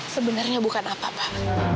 sebenarnya bukan apa pak